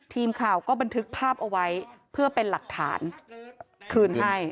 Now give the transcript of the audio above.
ทีมข่าวก็บันทึกภาพเอาไว้เพื่อเป็นหลักฐานคืนให้